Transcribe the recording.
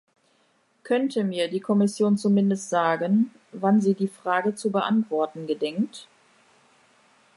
Könnte mir die Kommission zumindest sagen, wann sie die Frage zu beantworten gedenkt?